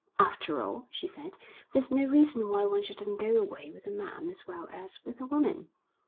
'After all,' she said, 'there's no reason why one shouldn't go away with a man as well as with a woman.'